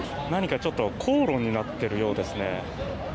何かちょっと口論になっているようですね。